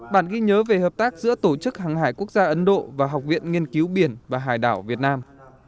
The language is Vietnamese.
bản ghi nhớ về hợp tác giữa tổ chức hàng hải quốc gia ấn độ và học viện nghiên cứu biển và hải đảo việt nam